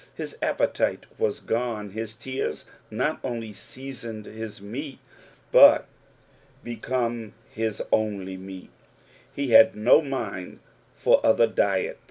His appetite was gone, his tears not only seasoned his meat, but became his only meat, he had no mind for other diet.